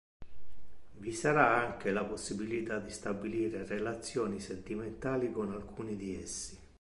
Vi sarà anche la possibilità di stabilire relazioni sentimentali con alcuni di essi.